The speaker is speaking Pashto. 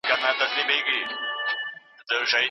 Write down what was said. موږ باید د ټکنالوژۍ له پرمختګ سره ځان برابر کړو.